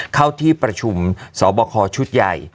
เข้าที่ประชุมสอบคอชุดใหญ่